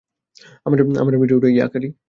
আমার পিঠে ওঠো, ইয়াকারি!